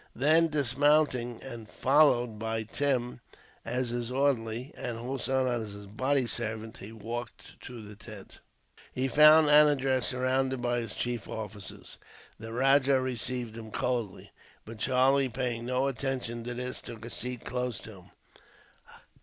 Then dismounting, and followed by Tim as his orderly, and Hossein as his body servant, he walked to the tent. He found Anandraz surrounded by his chief officers. The rajah received him coldly; but Charlie, paying no attention to this, took a seat close to him.